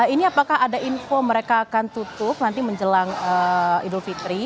ini apakah ada info mereka akan tutup nanti menjelang idul fitri